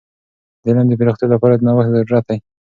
د علم د پراختیا لپاره د نوښت ضرورت دی.